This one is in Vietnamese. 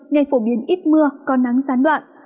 ngày phổ biến ít mưa con nắng sán đoạn